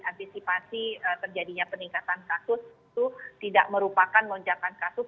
antisipasi terjadinya peningkatan kasus itu tidak merupakan lonjakan kasus